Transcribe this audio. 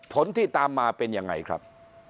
ผลที่ตามมาเป็นยังไงครับ